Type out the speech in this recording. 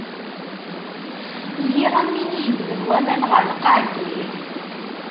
Lliɣ am win i jebden waman ɣer lqaɛ n yilel.